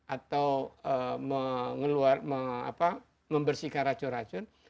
atau mengeluarkan apa membersihkan racun racun